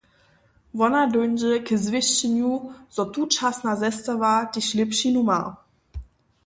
Wona dóńdźe k zwěsćenju, zo tučasna zestawa tež lěpšinu ma.